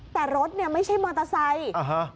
แต่รถเนี่ยไม่ใช่มอเตอร์ไซค์อ่าฮะ